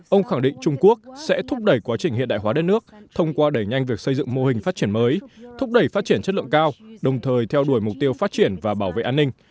ông khẳng định trung quốc sẽ thúc đẩy quá trình hiện đại hóa đất nước thông qua đẩy nhanh việc xây dựng mô hình phát triển mới thúc đẩy phát triển chất lượng cao đồng thời theo đuổi mục tiêu phát triển và bảo vệ an ninh